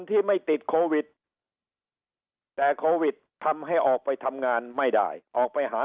ที่ไม่ติดโควิดแต่โควิดทำให้ออกไปทำงานไม่ได้ออกไปหา